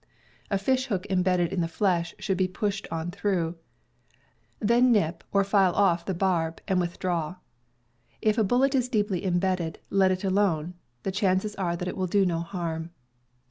A fish hook imbedded in the flesh should be pushed on through; then nip or file off the barb, and withdraw. If a bullet is deeply imbedded, let it alone; the chances are that it will do no harm.